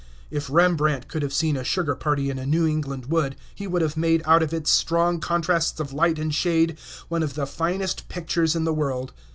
If Rembrandt could have seen a sugar party in a New England wood, he would have made out of its strong contrasts of light and shade one of the finest pictures in the world.